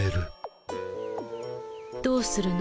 どうするの？